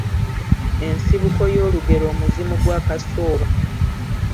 Ensibuko y’olugero Omuzimu gwa Kasooba